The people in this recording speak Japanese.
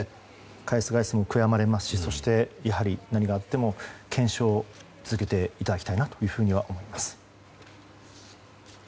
返す返すも悔やまれますしそしてやはり何があっても検証を続けていただきたいなと思います。